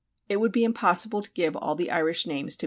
It would be impossible to give all the Irish names to be met with.